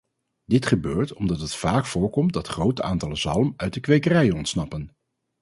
Dit gebeurt omdat het vaak voorkomt dat grote aantallen zalm uit de kwekerijen ontsnappen.